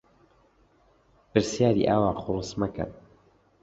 پرسیاری ئاوا قورس مەکەن.